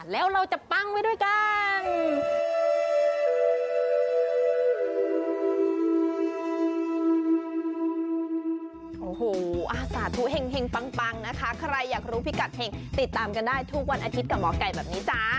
แล้วเราจะปั้งไว้ด้วยกัน